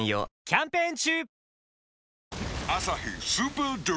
キャンペーン中！